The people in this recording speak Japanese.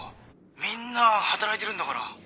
みんな働いてるんだから。